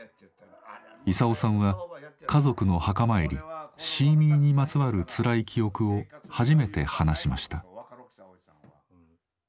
勲さんは家族の墓参りシーミーにまつわるつらい記憶を初めて話しました。